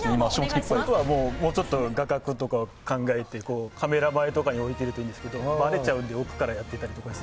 もうちょっと画角とかを考えてカメラ前とかに置いているといいんですがばれちゃうんで奥からやってたりとか。